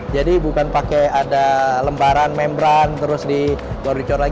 jadi bukan pakai ada lembaran membran terus di luar dicor lagi